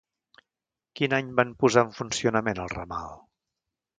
Quin any van posar en funcionament el ramal?